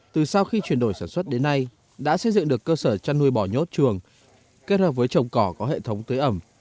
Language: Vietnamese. từ sau khi chuyển đổi sản xuất đến nay đã xây dựng được cơ sở chăn nuôi bò nhốt chuồng kết hợp với trồng cỏ có hệ thống tưới ẩm